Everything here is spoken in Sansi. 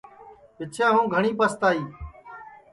پِچھیں ہُوں گھٹؔی پستائی